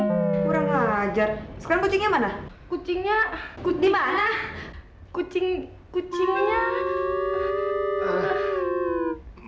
kucing kurang ajar sekarang kucingnya mana kucingnya kutipan ah kucing kucingnya